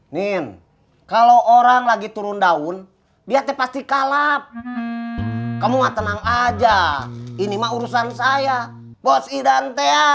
nien kalau orang lagi turun daun dia pasti kalap kamu tenang aja ini mah urusan saya bos idante ya